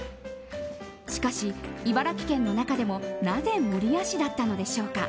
しかし、茨城県の中でもなぜ守谷市だったのでしょうか。